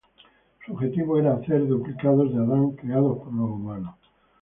Su objetivo era hacer duplicados de Adán creados por los humanos.